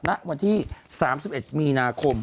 ณวันที่๓๑มีนาคม